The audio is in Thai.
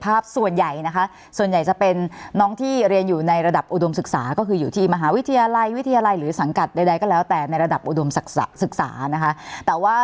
สาวานใหญ่จะเป็นน้องที่ศึกษาในระดับอุดมศึกษาอยู่ที่มหาวิทยาลัยหรือสังกรรดส์ในสำหรับอุดมศึกษา